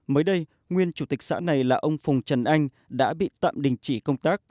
mới đây nguyên chủ tịch xã này là ông phùng trần anh đã bị tạm đình chỉ công tác